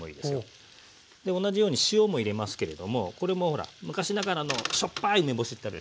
で同じように塩も入れますけれどもこれもほら昔ながらのしょっぱい梅干しってあるでしょ。